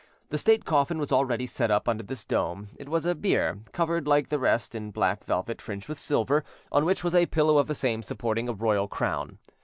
The state coffin was already set up under this dome: it was a bier, covered like the rest in black velvet fringed with silver, on which was a pillow of the same supporting a royal crown.